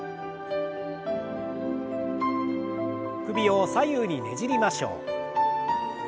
首を左右にねじりましょう。